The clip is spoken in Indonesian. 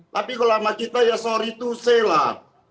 tapi kalau sama kita ya sorry to say lah